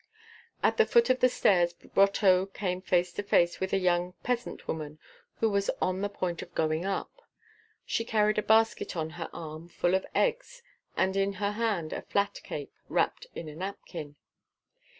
At the foot of the stairs Brotteaux came face to face with a young peasant woman who was on the point of going up. She carried a basket on her arm full of eggs and in her hand a flat cake wrapped in a napkin.